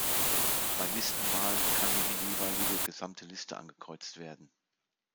Bei Listenwahl kann nur die jeweilige gesamte Liste angekreuzt werden.